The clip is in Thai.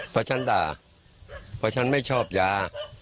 เพราะฉันด่าเพราะฉันไม่ชอบยา